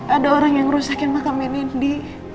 ada orang yang rusakin makamnya nindi